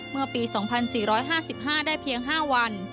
เมื่อปี๒๔๕๕ได้เพียง๕วัน